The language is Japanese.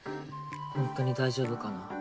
ホントに大丈夫かな。